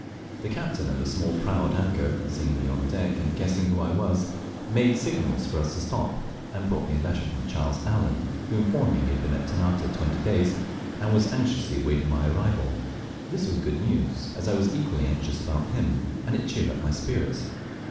The captain of a small prau at anchor, seeing me on deck and guessing who I was, made signals for us to stop, and brought me a letter from Charles Allen, who informed me he had been at Ternate twenty days, and was anxiously waiting my arrival. This was good news, as I was equally anxious about him, and it cheered up my spirits.